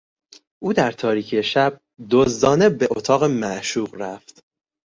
او در تاریکی شب، دزدانه به اتاق معشوق رفت.